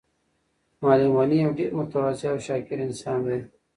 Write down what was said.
معلم غني یو ډېر متواضع او شاکر انسان دی.